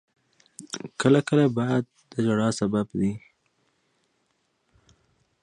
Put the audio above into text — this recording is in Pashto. باد کله کله د ژړا سبب دی